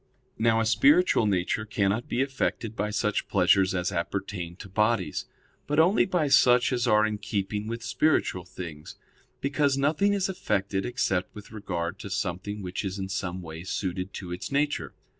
Now a spiritual nature cannot be affected by such pleasures as appertain to bodies, but only by such as are in keeping with spiritual things; because nothing is affected except with regard to something which is in some way suited to its nature.